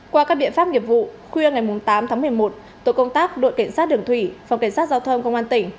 qua các biện pháp nghiệp vụ khuya ngày tám tháng một mươi một tổ công tác đội cảnh sát đường thủy phòng cảnh sát giao thông công an tỉnh